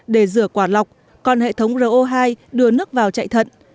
để rửa quả lọc còn hệ thống ro hai đưa nước vào chạy thận